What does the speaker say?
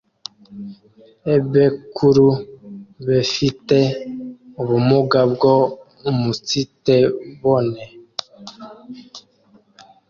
ebekuru befite ubumuge bwo umunsitebone